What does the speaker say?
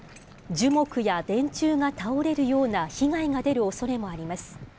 樹木や電柱が倒れるような被害が出るおそれもあります。